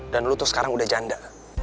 dan lo tuh sekarang udah janda